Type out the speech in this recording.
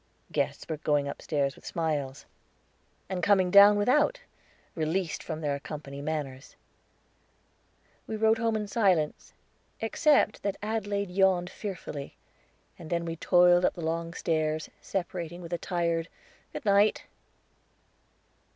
Guests were going upstairs with smiles, and coming down without, released from their company manners. We rode home in silence, except that Adelaide yawned fearfully, and then we toiled up the long stairs, separating with a tired, "good night."